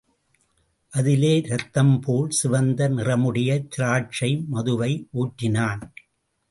அதிலே இரத்தம் போல் சிவந்த நிறமுடைய திராட்சை மதுவை ஊற்றினான்.